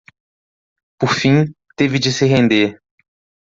Por fim, teve de se render